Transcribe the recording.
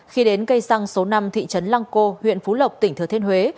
khi đến cây xăng số năm thị trấn lang co huyện phú lộc tỉnh thừa thiên huế